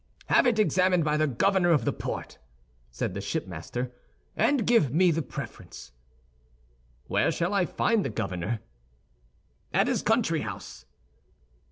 "Have it examined by the governor of the port," said the shipmaster, "and give me the preference." "Where shall I find the governor?" "At his country house."